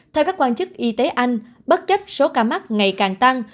theo các quan chức y tế anh bất chấp số ca mắc ngày càng tăng